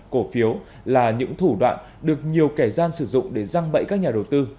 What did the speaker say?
cổ phiếu là những thủ đoạn được nhiều kẻ gian sử dụng để răng bẫy các nhà đầu tư